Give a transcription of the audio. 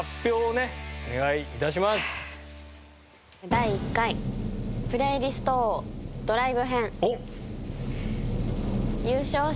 第１回プレイリスト王ドライブ編優勝者は。